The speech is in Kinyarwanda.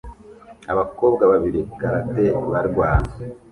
Abakobwa babiri karate barwana